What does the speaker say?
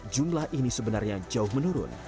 jumlah ini sebenarnya jauh menurun